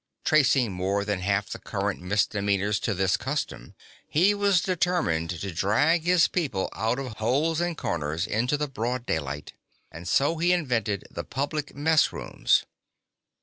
Tracing more than half the current misdemeanours to this custom, (2) he was determined to drag his people out of holes and corners into the broad daylight, and so he invented the public mess rooms.